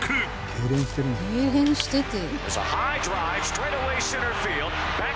けいれんしてて。